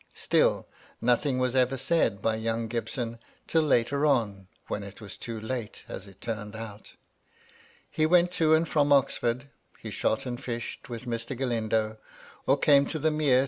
Still, nothing was ever said by young Gibson till later on, when it was too late, as it turned out. He went to and from Oxford ; he shot and fished with Mr. Galindo, or came to the Mere JdY LADY LUDLOW.